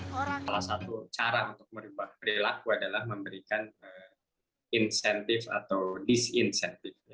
salah satu cara untuk merubah perilaku adalah memberikan insentif atau disinsentif